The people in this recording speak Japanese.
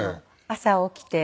朝起きて。